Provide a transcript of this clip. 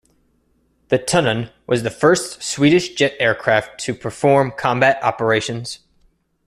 The Tunnan was the first Swedish jet aircraft to perform combat operations.